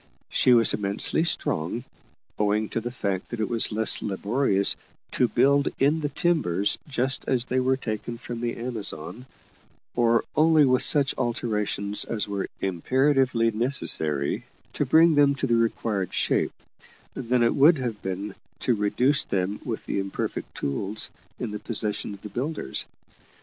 She was immensely strong, owing to the fact that it was less laborious to build in the timbers just as they were taken from the Amazon, or only with such alterations as were imperatively necessary to bring them to the required shape, than it would have been to reduce them with the imperfect tools in the possession of the builders.